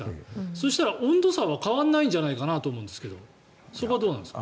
そしたら、温度差は変わらないんじゃないかと思うんですがそこはどうですか。